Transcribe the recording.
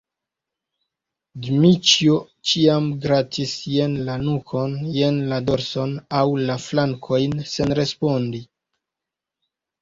Dmiĉjo ĉiam gratis jen la nukon, jen la dorson aŭ la flankojn senrespondi.